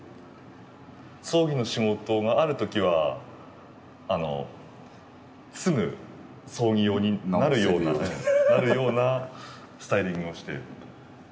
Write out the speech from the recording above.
葬儀の仕事があるときはすぐ葬儀用になるようななるようなスタイリングをして。